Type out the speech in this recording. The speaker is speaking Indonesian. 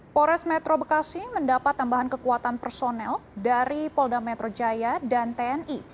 pores metro bekasi mendapat tambahan kekuatan personel dari polda metro jaya dan tni